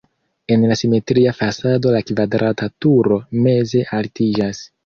En la simetria fasado la kvadrata turo meze altiĝas.